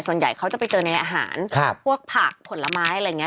ส่วนใหญ่เขาจะไปเจอในอาหารพวกผักผลไม้อะไรอย่างนี้